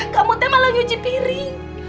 kamu teh malah nyuci piring